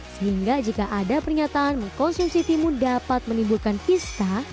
sehingga jika ada pernyataan mengkonsumsi timun dapat menimbulkan pista